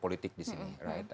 politik di sini